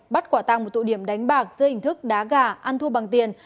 bắt quả tăng một tụ điểm đánh bạc dây hình thức đá gà ăn thua bằng tiền